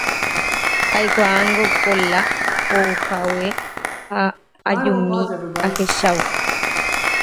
Aikuaángo Kola ouhague ha ajumi ahechávo.